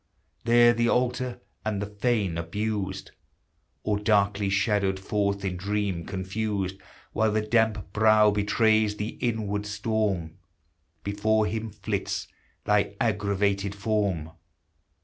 there the altar and the fane abused ! Or darkly shadowed forth in dream confused, While the damp brow betrays the inward storm, Before him flits thy aggravated form